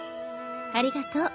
ありがとう。